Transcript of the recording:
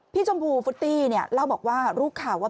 พี่ชมพูฟุตตี้เล่าบอกว่ารูปข่าวว่า